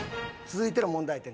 続いての問題点